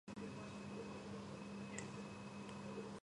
მოგვიანებით ჩაუტარეს რეკონსტრუქცია.